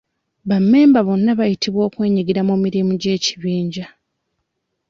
Ba memba bonna bayitiddwa okwenyigira mu mirimu gy'ekibinja.